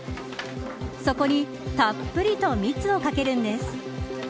そこに、たっぷりと蜜をかけるんです。